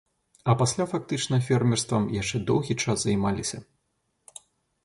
А пасля фактычна фермерствам яшчэ доўгі час займаліся.